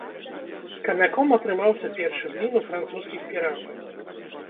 Камяком атрымаўся першы блін у французскіх піратаў.